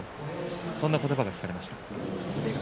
そんな言葉が聞かれました。